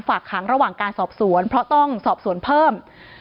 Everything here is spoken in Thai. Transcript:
ฝากขังระหว่างการสอบสวนเพราะต้องสอบสวนเพิ่ม